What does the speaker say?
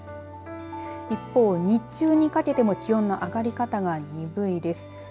一方、日中にかけても気温の上がり方が鈍いです。